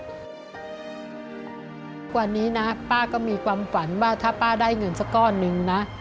วันนี้นะป้าก็มีความฝันว่าถ้าป้าได้เงินสักก้อนนึงนะ